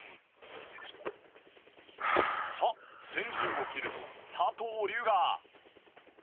さあ先陣を切るのは佐藤龍我。